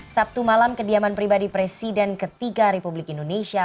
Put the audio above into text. sabtu malam kediaman pribadi presiden ketiga republik indonesia